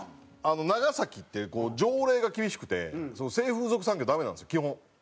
長崎って条例が厳しくて性風俗産業ダメなんですよ基本。